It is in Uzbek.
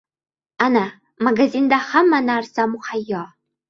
Ana, magazinda hamma narsa muhayyo.